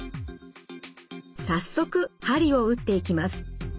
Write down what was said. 早速鍼を打っていきます。